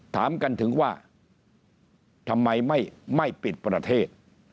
ถามกันถึงว่าทำไมไม่ปิดประเทศ